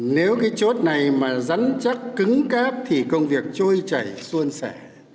nếu cái chốt này mà rắn chắc cứng cáp thì công việc trôi chảy xuân sẻ